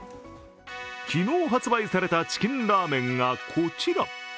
昨日発売されたチキンラーメンが、こちら。